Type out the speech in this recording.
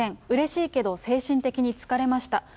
うれしいけど、精神的に疲れました。